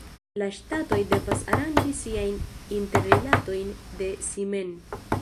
La ŝtatoj devas aranĝi siajn interrilatojn de si mem.